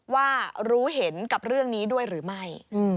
ว่ารู้เห็นกับเรื่องนี้ด้วยหรือไม่